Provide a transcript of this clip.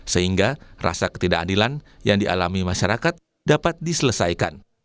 sehingga rasa ketidakadilan yang dialami masyarakat dapat diselesaikan